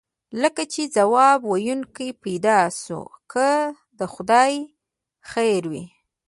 لکه چې ځواب ویونکی پیدا شو، که د خدای خیر وي.